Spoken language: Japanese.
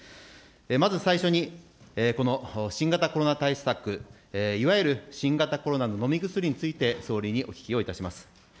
まず最初に、この新型コロナ対策、いわゆる新型コロナの飲み薬について総理にお聞きをいたします。